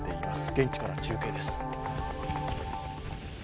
現地から中継です。